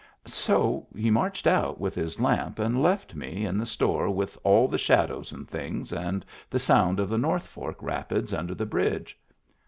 So he marched out with his lamp and left me in the store with all the shadows and things, and the sound of the North Fork rapids under the bridge.